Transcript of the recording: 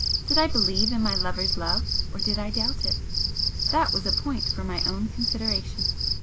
Did I believe in my lover's love, or did I doubt it? That was a point for my own consideration!